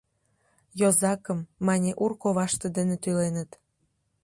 Йозакым, мане, ур коваште дене тӱленыт.